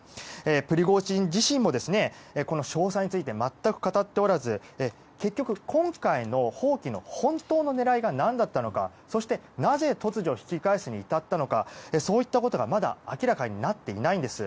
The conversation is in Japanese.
プリゴジン氏自身もこの詳細について全く語っておらず結局今回の蜂起の本当の狙いが何だったのかそしてなぜ突如、引き返すに至ったのかそういったことが、まだ明らかになっていないんです。